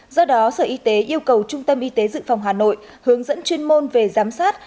do đó sở y tế yêu cầu trung tâm y tế dự phòng hà nội hướng dẫn chuyên môn về giám sát